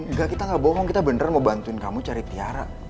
nggak kita nggak bohong kita beneran mau bantuin kamu cari tiara